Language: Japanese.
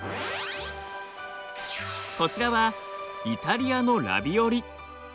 こちらはイタリアのラビオリ。